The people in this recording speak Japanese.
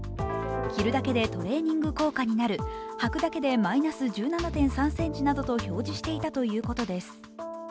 着るだけでトレーニング効果になる履くだけでマイナス１７．３ｃｍなどと表示していたということです。